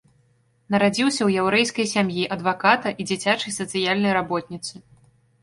Нарадзіўся ў яўрэйскай сям'і адваката і дзіцячай сацыяльнай работніцы.